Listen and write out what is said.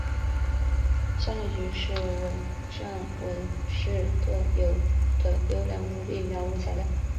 香炉桔是汕尾市特有的优良无病苗木材料。